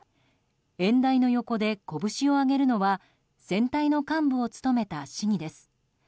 演台の横でこぶしを上げるのは選対の幹部を務めた市議です。